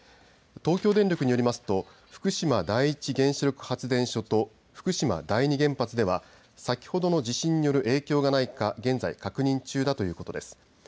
東京電力によりますと福島第一原子力発電所と福島第二原発では先ほどの地震による影響がないか現在、確認中だということです。